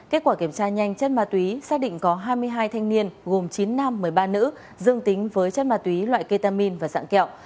kết quả kiểm tra nhanh chất ma túy xác định có hai mươi hai thanh niên gồm chín nam một mươi ba nữ dương tính với chất ma túy loại ketamin và dạng kẹo